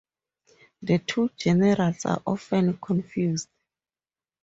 The two generals are often confused.